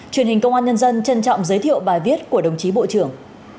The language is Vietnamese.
truyền hình công an nhân dân trân trọng giới thiệu bài viết của đồng chí bộ trưởng